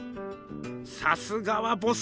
さすがはボス。